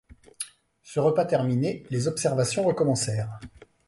Ce repas terminé, les observations recommencèrent.